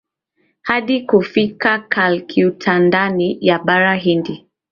hadi kufika Calicutndani ya bara Hindi